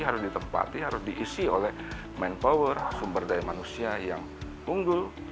harus ditempati harus diisi oleh manpower sumber daya manusia yang unggul